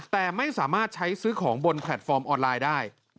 แต่ไม่สามารถใช้ซื้อของบนแพลตฟอร์มออนไลน์ได้